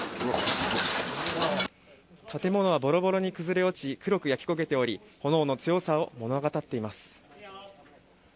建物はボロボロに崩れ落ち黒く焼け焦げており炎の強さを物語っています。